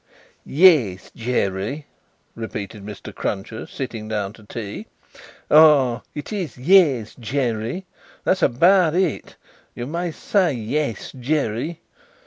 "Yes, Jerry," repeated Mr. Cruncher sitting down to tea. "Ah! It is yes, Jerry. That's about it. You may say yes, Jerry."